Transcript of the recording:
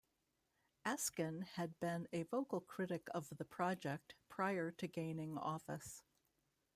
Askin had been a vocal critic of the project prior to gaining office.